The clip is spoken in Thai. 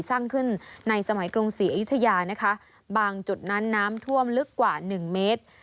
สร้างขึ้นในสมัยกรุงศรีอยุธยานะคะบางจุดนั้นน้ำท่วมลึกกว่าหนึ่งเมตร